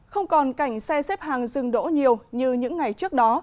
không còn cảnh xe xếp hàng dừng đỗ nhiều như những ngày trước đó